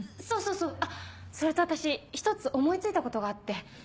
そうそうそうあっそれと私一つ思い付いたことがあって。